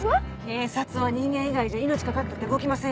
警察は人間以外じゃ命かかったって動きませんよ。